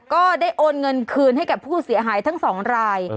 ก็ได้โอนเงินคืนให้กับผู้เสียหายทั้งสองราย